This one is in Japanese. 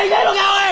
おい！